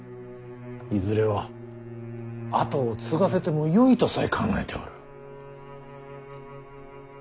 いずれは跡を継がせてもよいとさえ考えておる。